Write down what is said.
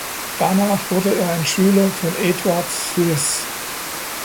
Danach wurde er ein Schüler von Eduard Suess.